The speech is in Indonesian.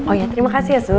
oh iya terima kasih ya sus